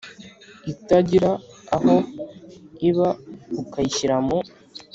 itagira aho iba ukayishyira mu